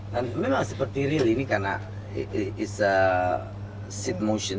dan memang seperti real ini karena it's a seat motion